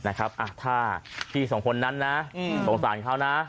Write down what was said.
ในกล้องมุมจรปิดนะครับถ้าที่สองคนนั้นนะโปรสารเขานะ